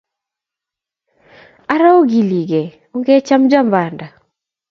Ara ongigilgei, onge chechem banda o